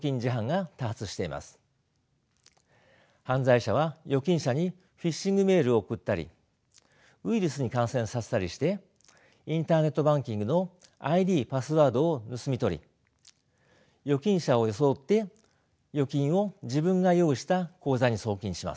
犯罪者は預金者にフィッシングメールを送ったりウイルスに感染させたりしてインターネットバンキングのＩＤパスワードを盗み取り預金者を装って預金を自分が用意した口座に送金します。